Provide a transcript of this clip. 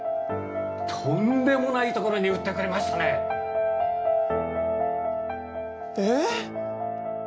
とんでもないところに売ってくれましたねえっ？